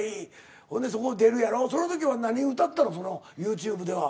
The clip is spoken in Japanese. ほんでそこで出るやろその時は何歌ってたのそのＹｏｕＴｕｂｅでは。